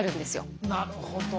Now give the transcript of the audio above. なるほど。